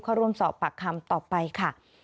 เข้าร่วมสอบปากคำต่อไปค่ะ